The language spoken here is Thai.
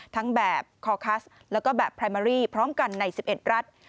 แบบคอคัสแล้วก็แบบไพรเมอรี่พร้อมกันใน๑๑รัฐ